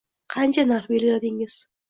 Qancha narx belgiladingiz